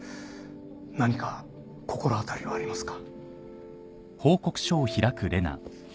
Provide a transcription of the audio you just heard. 何か心当たりはありますか？